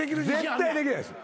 絶対できないですよ。